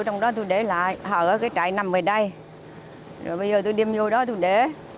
đó tôi để lại ở cái trại nằm ở đây rồi bây giờ tôi đem vô đó tôi để